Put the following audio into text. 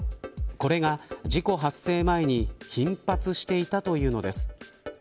これが事故発生前に頻発していたというのです。